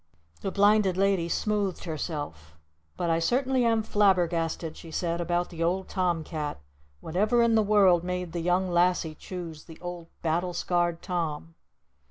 The Blinded Lady smoothed herself. "But I certainly am flabbergasted," she said, "about the Old Tom Cat! Whatever in the world made the Young Lassie choose the old battle scarred Tom?"